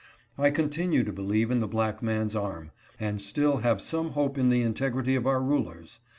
I continue to believe in the black man's arm, and still have some hope in the integrity of our rulers.